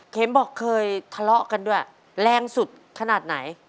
บอกเคยทะเลาะกันด้วยแรงสุดขนาดไหน